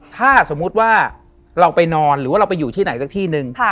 ถ้าสมมุติว่าเราไปนอนหรือว่าเราไปอยู่ที่ไหนสักที่หนึ่ง